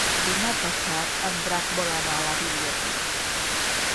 Demà passat en Drac vol anar a la biblioteca.